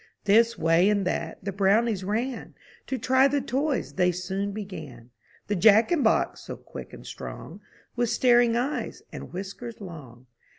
This way and that, the Brownies ran; To try the toys they soon began. The Jack in box, so quick and strong, With staring eyes and whiskers long.